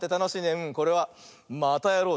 うんこれは「またやろう！」